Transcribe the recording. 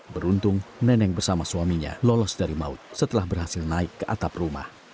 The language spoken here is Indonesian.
beruntung neneng bersama suaminya lolos dari maut setelah berhasil naik ke atap rumah